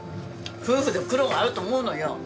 夫婦で苦労があると思うのよ。